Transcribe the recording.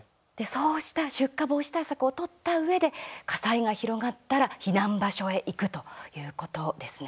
そうした出火防止対策を取ったうえで火災が広がったら避難場所へ行くということですね。